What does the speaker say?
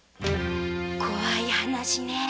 怖い話ねぇ。